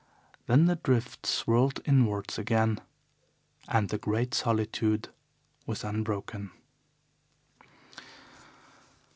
Then the drift swirled inwards again and the great solitude was unbroken.